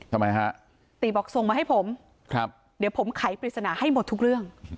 ทำไมฮะติบอกส่งมาให้ผมเดี๋ยวผมไขปริศนาให้หมดทุกเรื่อง